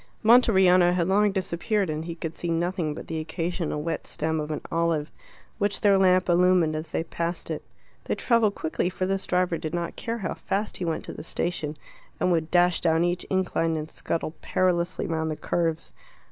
Monteriano had long disappeared, and he could see nothing but the occasional wet stem of an olive, which their lamp illumined as they passed it. They travelled quickly, for this driver did not care how fast he went to the station, and would dash down each incline and scuttle perilously round the curves.